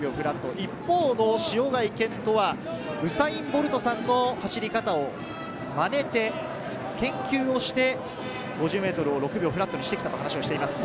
一方の塩貝健人は、ウサイン・ボルトさんの走り方をまねて研究をして、５０ｍを６秒フラットにしてきたと話をしています。